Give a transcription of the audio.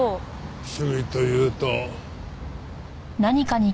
趣味というと。